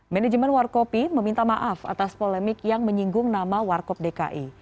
manajemen warkopi meminta maaf atas polemik yang menyinggung nama warkop dki